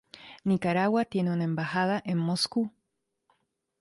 Nicaragua tiene una embajada en Moscú.